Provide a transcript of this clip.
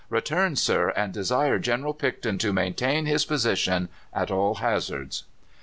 "'Return, sir, and desire General Picton to maintain his position at all hazards.